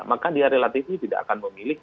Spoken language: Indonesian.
maka dia relatif tidak akan memilih